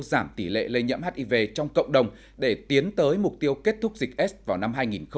giảm tỷ lệ lây nhiễm hiv trong cộng đồng để tiến tới mục tiêu kết thúc dịch s vào năm hai nghìn ba mươi